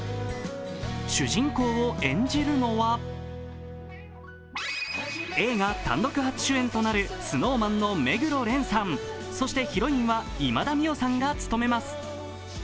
主人公を演じるのは映画単独主役となるＳｎｏｗＭａｎの目黒蓮さん、そしてヒロインは今田美桜さんが務めます。